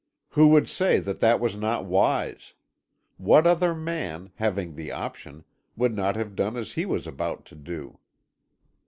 Who would say that that was not wise? What other man, having the option, would not have done as he was about to do?